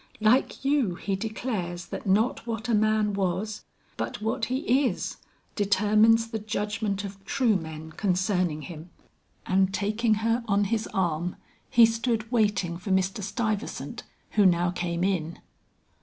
Like you he declares that not what a man was, but what he is, determines the judgment of true men concerning him." And taking her on his arm, he stood waiting for Mr. Stuyvesant who now came in.